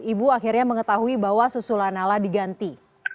ibu akhirnya mengetahui bahwa susu lanala diganti